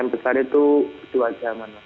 yang besar itu dua jam